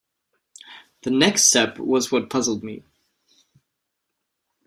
The next step was what puzzled me.